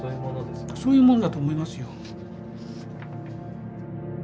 そういうものだと思いますよ。